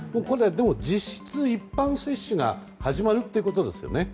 実質、一般接種が始まるっていうことですよね。